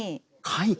はい。